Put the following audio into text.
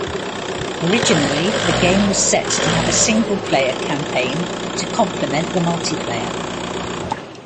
Originally, the game was set to have a single-player campaign to complement the multiplayer.